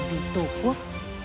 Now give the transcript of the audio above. vì tổ quốc